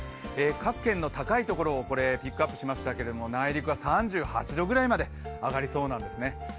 各県の高いところをピックアップしましたけど、内陸は３８度ぐらいまで上がりそうなんです。